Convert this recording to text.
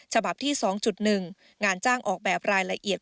ฉบับที่๒๑งานจ้างออกแบบรายละเอียด